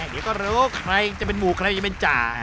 เดี๋ยวก็รู้ว่าใครจะเป็นหมู่ใครจะเป็นจ่า